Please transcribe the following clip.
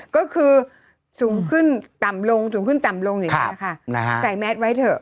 ก็คือสูงขึ้นต่ำลงสูงขึ้นต่ำลงอย่างนี้ค่ะใส่แมสไว้เถอะ